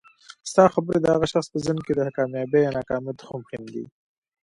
ستا خبري د هغه شخص په ذهن کي د کامیابۍ یا ناکامۍ تخم ښیندي